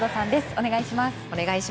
お願いします。